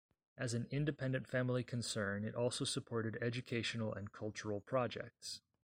As an independent family concern, it also supported educational and cultural projects.